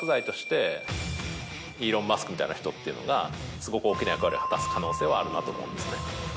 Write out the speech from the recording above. イーロン・マスクみたいな人っていうのがすごく大きな役割を果たす可能性はあるなと思うんですね。